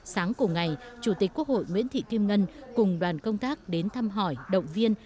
sáng cùng ngày chủ tịch quốc hội nguyễn thị kim ngân cùng đoàn công tác đến thăm hỏi động viên